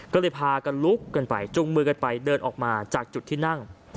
ก็เลยพากันลุกกันไปจุงมือกันไปเดินออกมาจากจุดที่นั่ง